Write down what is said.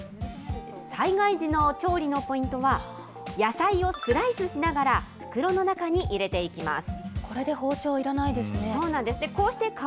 災害時の調理のポイントは、野菜をスライスしながら袋の中に入れていきます。